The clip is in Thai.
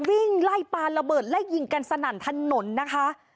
วิ่งไล่ปลาระเบิดไล่ยิงกันสนั่นถนนนะคะ